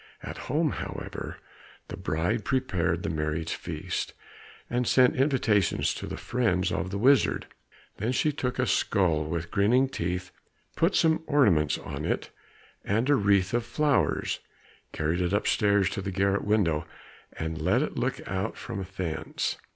At home, however, the bride prepared the marriage feast, and sent invitations to the friends of the wizard. Then she took a skull with grinning teeth, put some ornaments on it and a wreath of flowers, carried it upstairs to the garret window, and let it look out from thence.